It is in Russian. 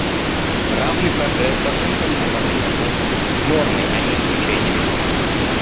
Равный прогресс по всем трем направлениям должен быть нормой, а не исключением.